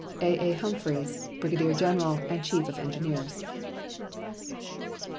A.A. HUMPHREYS, Brigadier General and Chief of Engineers.